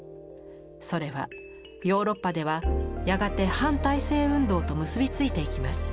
それはヨーロッパではやがて反体制運動と結び付いていきます。